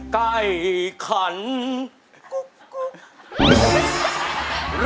ไก่ขันกุ๊กกุ๊ก